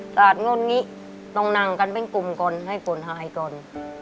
สาดง่นงี้ต้องนั่งกันเป็นกลุ่มก่อนให้คนหายก่อน